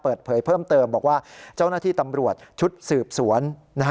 เปิดเผยเพิ่มเติมบอกว่าเจ้าหน้าที่ตำรวจชุดสืบสวน